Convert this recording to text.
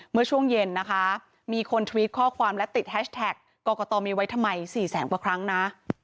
เมื่อช่วงเย็นนะคะมีคนทวิตข้อความและติดแฮชแท็กกรกตมีไว้ทำไม๔แสนกว่าครั้งนะ